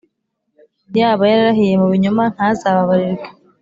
yaba yararahiye mu binyoma, ntazababarirwe;